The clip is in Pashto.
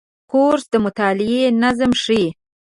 کورس د مطالعې نظم ښيي.